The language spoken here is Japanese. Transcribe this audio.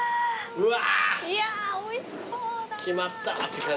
うわ。